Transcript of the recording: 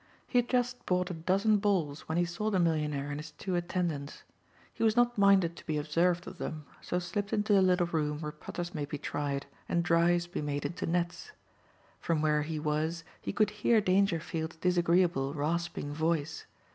He had just bought a dozen balls when he saw the millionaire and his two attendants. He was not minded to be observed of them, so slipped into the little room where putters may be tried and drives be made into nets. From where he was he could hear Dangerfield's disagreeable, rasping voice.